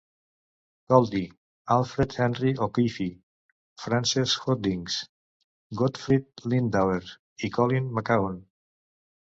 Goldie, Alfred Henry O'Keeffe, Frances Hodgkins, Gottfried Lindauer i Colin McCahon.